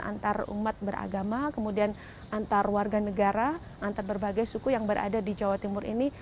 antar umat beragama kemudian antar warga negara antar berbagai suku yang berada di jawa timur ini